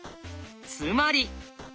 つまり。